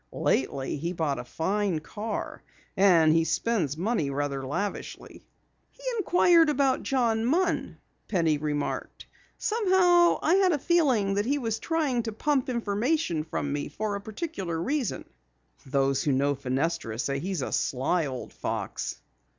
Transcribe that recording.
Lately he bought a fine car, and he spends money rather lavishly." "He inquired about John Munn," Penny remarked. "Somehow I had a feeling that he was trying to pump information from me for a particular reason." "Those who know Fenestra say he's a sly old fox."